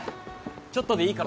ちょっとでいいからさ。